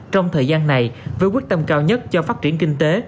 trong thời gian này với quyết tâm cao nhất cho phát triển kinh tế